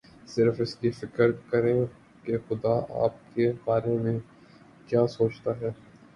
صرف اس کی فکر کریں کہ خدا آپ کے بارے میں کیا سوچتا ہے۔